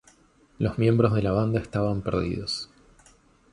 Los miembros de la banda estaban perdidos.